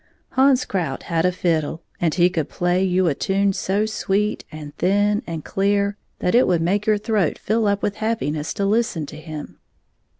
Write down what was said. Hans Krout had a fiddle, and he could play you a tune so sweet and thin and clear that it would make your throat fill up with happiness to listen to him.